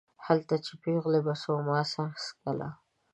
هلته چې پېغلې به سوما څکله